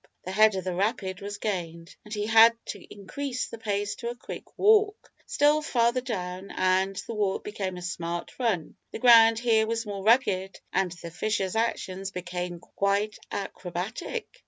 The head of the rapid was gained, and he had to increase the pace to a quick walk; still farther down, and the walk became a smart run. The ground here was more rugged, and the fisher's actions became quite acrobatic.